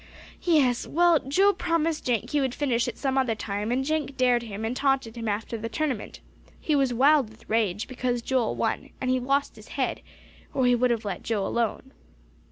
"Yes; well, Joe promised Jenk he would finish it some other time; and Jenk dared him, and taunted him after the tournament. He was wild with rage because Joel won; and he lost his head, or he would have let Joe alone."